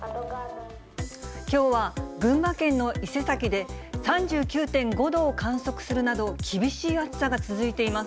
きょうは群馬県の伊勢崎で３９．５度を観測するなど、厳しい暑さが続いています。